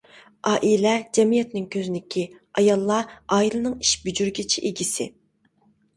ئائىلە جەمئىيەتنىڭ كۆزنىكى، ئاياللار ئائىلىنىڭ ئىش بېجىرگۈچى ئىگىسى.